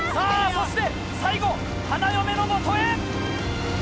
そして最後花嫁のもとへ。